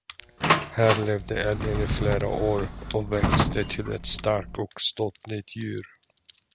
Här levde älgen i flera år och växte till ett starkt och ståtligt djur.